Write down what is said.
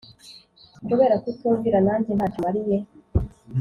Kubera kutumvira nange ntacyo mariye